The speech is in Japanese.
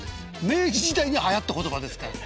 明治時代にはやった言葉ですから。